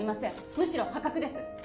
むしろ破格です